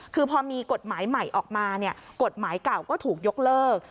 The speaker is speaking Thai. คือพอมีกฎหมายใหม่ออกมากฎหมายเก่าก็ถูกยกเลิก